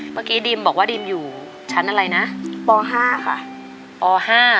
เมื่อกี้ดิมบอกว่าดิมอยู่ชั้นอะไรนะป๕ค่ะป๕